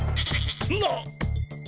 なっ！